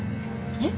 えっ？